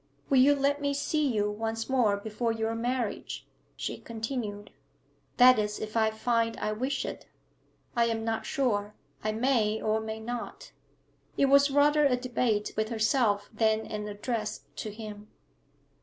'Will you let me see you once more before your marriage?' she continued. 'That is, if I find I wish it. I am not sure. I may or may not.' It was rather a debate with herself than an address to him.